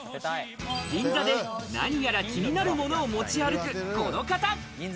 銀座で何やら気になるものを持ち歩く、この方。